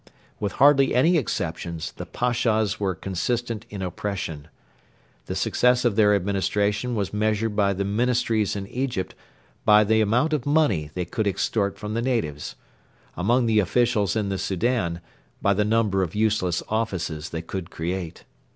With hardly any exceptions, the Pashas were consistent in oppression. The success of their administration was measured by the Ministries in Egypt by the amount of money they could extort from the natives; among the officials in the Soudan, by the number of useless offices they could create.